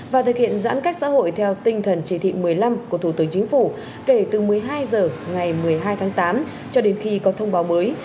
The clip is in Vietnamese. và thực hiện giãn cách xã hội theo tinh thần chỉ thị một mươi năm của thủ tướng chính phủ kể từ một mươi hai h ngày một mươi hai tháng tám cho đến khi có thông báo mới